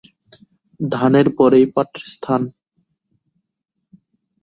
ধানের পরেই পাটের স্থান।